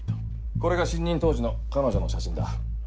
これが新任当時の彼女の写真だ。